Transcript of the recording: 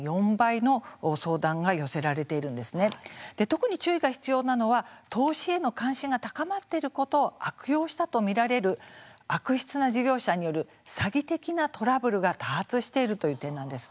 特に注意が必要なのは投資への関心が高まっていることを悪用したと見られる悪質な事業者による詐欺的なトラブルが多発しているという点なんです。